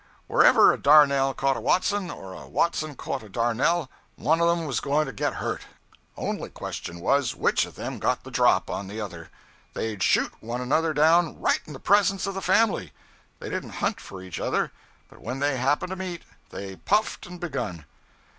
Wherever a Darnell caught a Watson, or a Watson caught a Darnell, one of 'em was going to get hurt only question was, which of them got the drop on the other. They'd shoot one another down, right in the presence of the family. They didn't hunt for each other, but when they happened to meet, they puffed and begun.